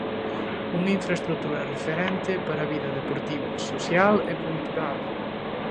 Unha infraestrutura referente para a vida deportiva, social e cultural.